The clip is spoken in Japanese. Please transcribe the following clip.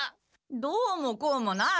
どうもこうもない。